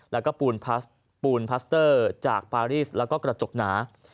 และปูนพาสเตอร์จากปารีสและกระจกหนา